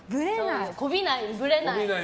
こびない、ぶれない。